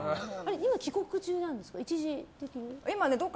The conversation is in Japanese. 今、帰国中なんですか？